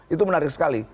itu menarik sekali